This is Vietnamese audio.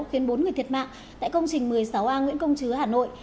khiến bốn người thiệt mạng tại công trình một mươi sáu a nguyễn công chứ hà nội